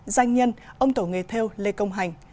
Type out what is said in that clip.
doanh nhân ông tổ nghề theo lê công hành